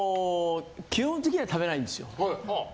基本的には食べないんですよ。